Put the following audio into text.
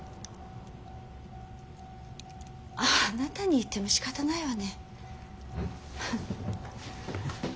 あなたに言ってもしかたないわね。